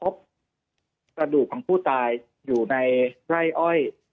พบกระดูกของผู้ตายอยู่ในไร่อ้อย